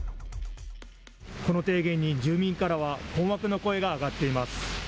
この提言に住民からは困惑の声が上がっています。